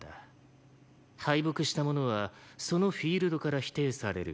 敗北した者はそのフィールドから否定される。